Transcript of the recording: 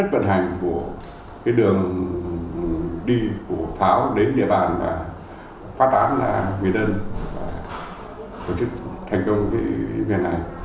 và thành công cái việc này